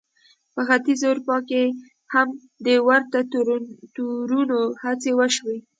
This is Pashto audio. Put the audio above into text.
په ختیځې اروپا کې هم د ورته تړونونو هڅې وشوې.